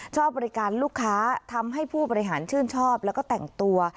ชอบบริการลูกค้าทำให้ผู้บริหารชื่นชอบแล้วก็แต่งตัว